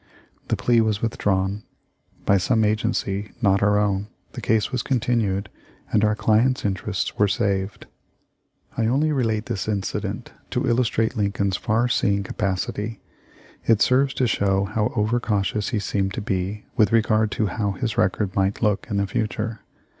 The plea was with drawn. By some agency — not our own — the case was continued and our client's interests were saved. 328 THE LIFE OF LINCOLN. I only relate this incident to illustrate Lincoln's far seeing capacity ; it serves to show how over cautious he seemed to be with regard to how his record might look in the future.